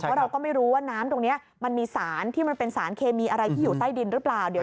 เพราะเราก็ไม่รู้ว่าน้ำตรงนี้มันมีสาร